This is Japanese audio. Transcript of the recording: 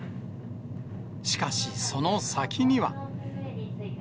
しかし、その先には。